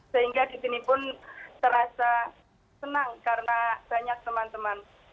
sehingga di sini pun terasa senang karena banyak teman teman